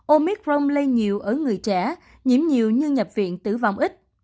omicron lây nhiều ở người trẻ nhiễm nhiều như nhập viện tử vong ít